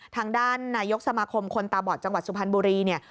ทางด้านนายกสมาคมคนตาบอดจังหวัดสุพรรณบุรีเนี่ย